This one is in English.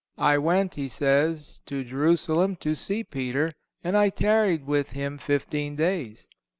"I went," he says, "to Jerusalem to see Peter, and I tarried with him fifteen days."